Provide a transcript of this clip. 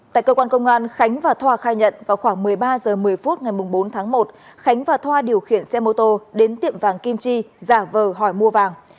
tại cơ quan công an khánh và thoa khai nhận vào khoảng một mươi ba h một mươi phút ngày bốn tháng một khánh và thoa điều khiển xe mô tô đến tiệm vàng kim chi giả vờ hỏi mua vàng